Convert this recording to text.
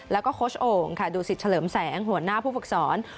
แล้วก็โค้ชโอ๋งดูสิทธิ์เฉลิมแสงหัวหน้าผู้ฟักษร